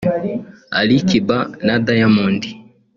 Ali Kiba na Diamond